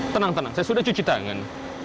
tenang tenang saya sudah cuci tangan